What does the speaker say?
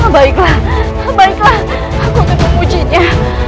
baiklah aku tentu memujinya